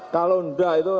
kalau enggak itu